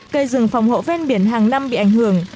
cây rừng phòng hộ ven biển hàng năm bị ảnh hưởng